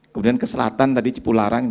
kemudian ke selatan tadi cipularang